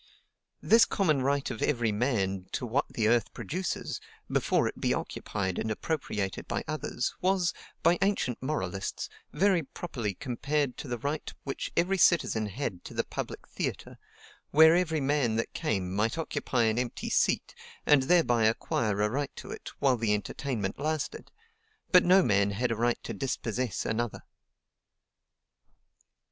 "This common right of every man to what the earth produces, before it be occupied and appropriated by others, was, by ancient moralists, very properly compared to the right which every citizen had to the public theatre, where every man that came might occupy an empty seat, and thereby acquire a right to it while the entertainment lasted; but no man had a right to dispossess another.